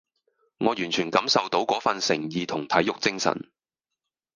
我完全感受到嗰份誠意同體育精神